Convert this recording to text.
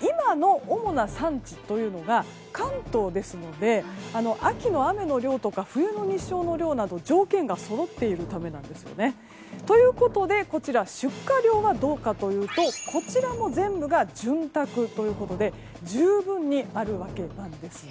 今の主な産地というのが関東ですので、秋の雨の量とか冬の日照の量など条件がそろっているためなんですね。ということで出荷量はどうかというとこちらも全部が潤沢ということで十分にあるわけなんです。